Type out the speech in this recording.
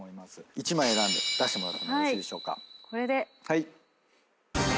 １枚選んで出してもらってもよろしいでしょうか。